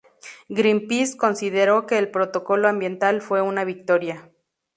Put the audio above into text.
Greenpeace consideró que el Protocolo Ambiental fue una victoria.